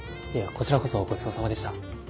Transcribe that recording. こちらこそごちそうさまでした。